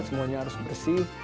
semuanya harus bersih